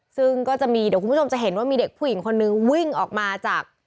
ซึ่งก็จะมีเดี๋ยวคุณผู้ชมจะเห็นว่ามีเด็กผู้หญิงคนนึงวิ่งออกมาจาก